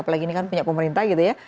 apalagi ini kan punya pemerintah gitu ya